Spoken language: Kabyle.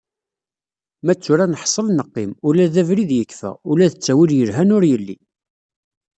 Ma d tura neḥsel neqqim, ula d abrid yekfa, ula d ttawil yelhan ur yelli.